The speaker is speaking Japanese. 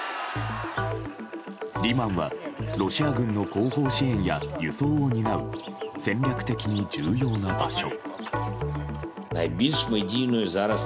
リマンはロシア軍の後方支援や輸送を担う戦略的に重要な場所。